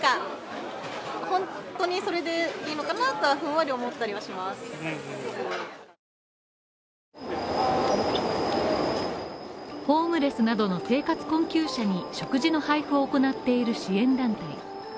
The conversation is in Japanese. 来店客はホームレスなどの生活困窮者に食事の配布を行っている支援団体。